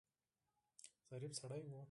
ظریف سړی و.